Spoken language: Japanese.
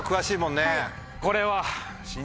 これは。